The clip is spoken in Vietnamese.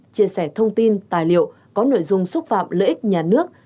chia sẻ thông tin tài liệu có nội dung xúc phạm lợi ích nhà nước